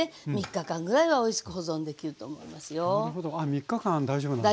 ３日間大丈夫なんですね。